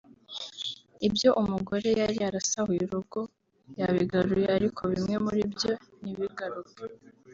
ibyo umugore yari yarasahuye urugo yabigaruye ariko bimwe muri byo ntibigaruke